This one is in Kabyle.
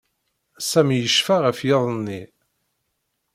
Sami yecfa ɣef yiḍ-nni.